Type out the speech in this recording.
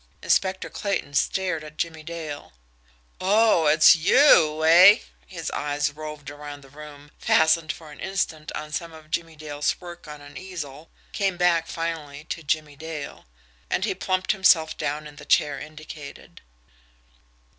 Inspector Clayton stared at Jimmie Dale. "Oh, it's YOU, eh?" His eyes roved around the room, fastened for an instant on some of Jimmie Dale's work on an easel, came back finally to Jimmie Dale and he plumped himself down in the chair indicated.